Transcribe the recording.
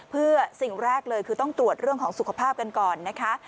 เพื่อสิ่งแรกเลยคือต้องตรวจเรื่องของสุขภาพกันก่อนนะคะ